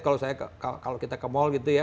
kalau kita ke mall gitu ya